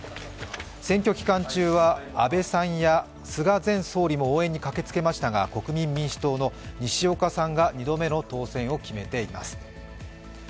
選挙期間中は安倍さんや菅前総理も応援に駆けつけましたが国民民主党の西岡さんが２度目の当選を決めています。